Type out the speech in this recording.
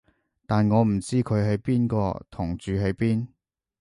但我唔知佢係邊個同住喺邊